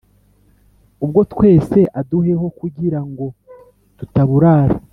ubwo twese aduheho kugirango tutaburara